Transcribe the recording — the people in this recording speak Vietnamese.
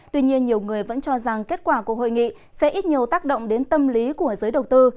tuy nhiên nhiều người vẫn cho rằng kết quả của hội nghị sẽ ít nhiều tác động đến tâm lý của giới đầu tư